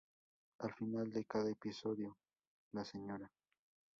Al final de cada episodio, la Sra.